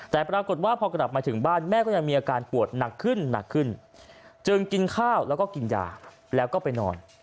แต่ปรากฏว่าพอกลับมาถึงบ้านแม่ก็ยังมีอาการปวดหนักขึ้นหนักขึ้นจึงกินข้าวแล้วก็กินยาแล้วก็ไปนอน